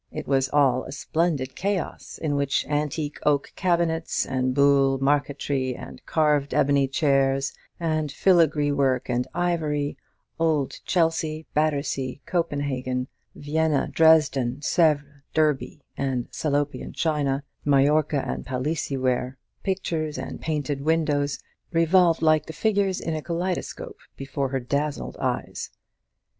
It was all a splendid chaos, in which antique oak cabinets, and buhl and marqueterie, and carved ebony chairs, and filagree work and ivory, old Chelsea, Battersea, Copenhagen, Vienna, Dresden, Sèvres, Derby, and Salopian china, Majolica and Palissy ware, pictures and painted windows, revolved like the figures in a kaleidoscope before her dazzled eyes.